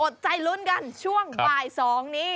ใจลุ้นกันช่วงบ่าย๒นี้